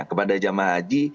kepada jama'ah haji